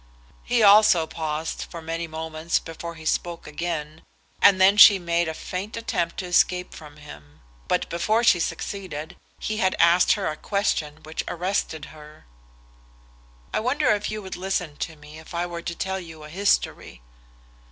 He also paused for many moments before he spoke again, and she then made a faint attempt to escape from him. But before she succeeded he had asked her a question which arrested her. "I wonder whether you would listen to me if I were to tell you a history?"